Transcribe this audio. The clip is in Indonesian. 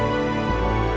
saya tetep tanggung dulu